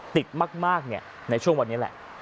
ติดมากในช่วงวันนี้แหละ